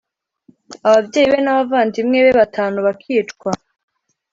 ababyeyi be n’abavandimwe be batanu bakicwa